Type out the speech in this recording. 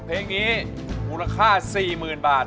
เพลงนี้มูลค่า๔๐๐๐บาท